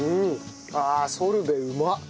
ああソルベうまっ！